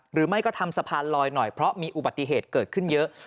หรือไม่ก็ทำสะพานลอยหน่อยเพราะมีอุบัติเหตุเกิดขึ้นเยอะ